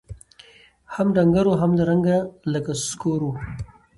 هم ډنګر وو هم له رنګه لکه سکور وو